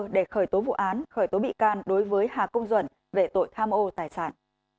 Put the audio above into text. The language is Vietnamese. để khởi tố vụ án khởi tố bị can đối với hà công duẩn về tội tham ô tài sản